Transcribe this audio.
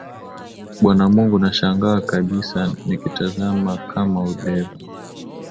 Bwana Mungu, nashangaa kabisa nikitazama kama vilivyo